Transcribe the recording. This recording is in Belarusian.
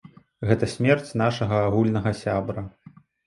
Гэта смерць нашага агульнага сябры.